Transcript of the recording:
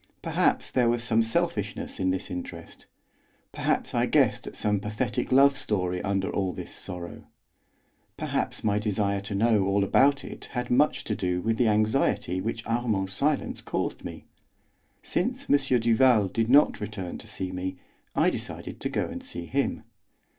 Perhaps there was some selfishness in this interest; perhaps I guessed at some pathetic love story under all this sorrow; perhaps my desire to know all about it had much to do with the anxiety which Armand's silence caused me. Since M. Duval did not return to see me, I decided to go and see him.